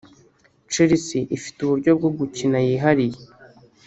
Chelsea ifite uburyo bwo gukina yihariye